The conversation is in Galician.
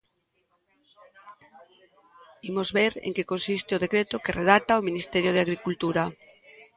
Imos ver en que consiste o decreto que redacta o Ministerio de Agricultura.